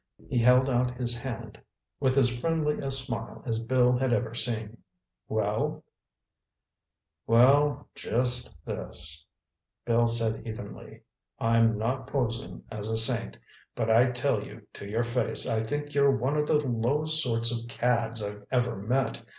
He held out his hand with as friendly a smile as Bill had ever seen. "Well?" "Well, just this—" Bill said evenly, "I'm not posing as a saint, but I tell you to your face I think you're one of the lowest sorts of cads I've ever met.